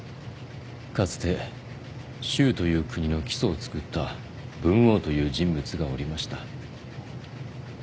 かつて周という国の基礎をつくった文王という人物がおりました。